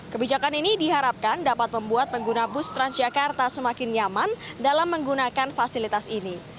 kebijakan ini diharapkan dapat membuat pengguna bus transjakarta semakin nyaman dalam menggunakan fasilitas ini